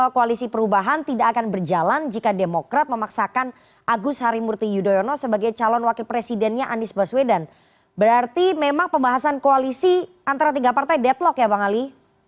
koalisi antara tiga partai deadlock ya bang ali